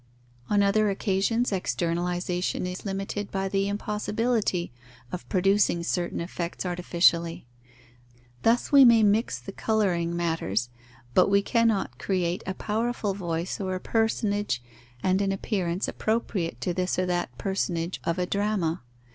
On other occasions externalization is limited by the impossibility of producing certain effects artificially. Thus we may mix the colouring matters, but we cannot create a powerful voice or a personage and an appearance appropriate to this or that personage of a drama.